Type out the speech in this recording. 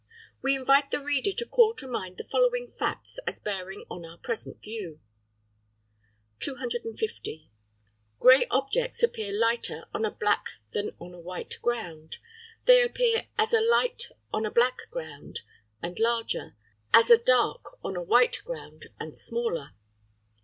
We invite the reader to call to mind the following facts as bearing on our present view. 250. Grey objects appear lighter on a black than on a white ground (33); they appear as a light on a black ground, and larger; as a dark on the white ground, and smaller.